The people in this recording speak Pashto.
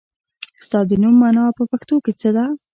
ستا د نوم مانا په پښتو کې څه ده ؟